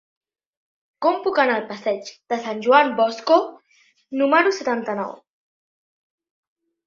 Com puc anar al passeig de Sant Joan Bosco número setanta-nou?